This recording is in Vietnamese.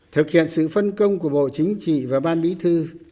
thực hiện sự phân công của bộ chính trị và ban bí thư